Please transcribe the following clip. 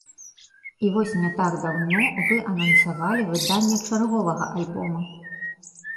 І вось не так даўно вы анансавалі выданне чарговага альбома.